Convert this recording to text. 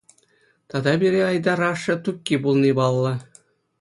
Тата пире Айтар ашшӗ Тукки пулни паллӑ.